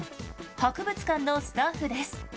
博物館のスタッフです。